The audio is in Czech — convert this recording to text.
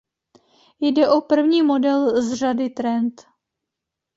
Jde o první model z řady Trent.